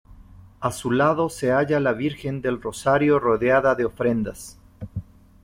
A su lado se halla la Virgen del Rosario rodeada de ofrendas.